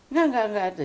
nggak nggak ada